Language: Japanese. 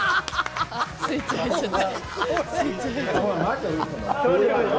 スイッチ入っちゃった。